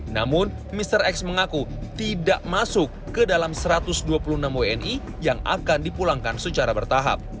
namun mr x mengaku tidak masuk ke dalam satu ratus dua puluh enam wni yang akan dipulangkan secara bertahap